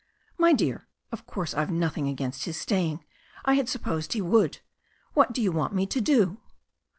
*'My dear, of course I've nothing against his staying. I had supposed he would. What do you want me to do?'